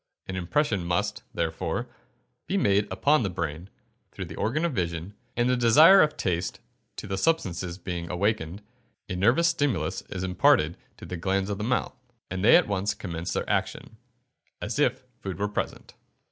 An impression must, therefore, be made upon the brain, through the organ of vision, and the desire to taste the substances being awakened, a nervous stimulus is imparted to the glands of the mouth, and they at once commence their action, as if food were present.